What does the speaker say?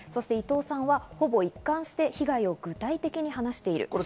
伊藤さんはほぼ一貫して被害を具体的に話している。